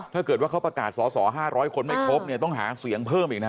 ถ้าเกิดว่าเขาประกาศสอสอ๕๐๐คนไม่ครบเนี่ยต้องหาเสียงเพิ่มอีกนะ